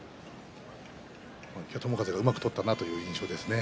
今日は友風がうまく取ったなという印象ですね。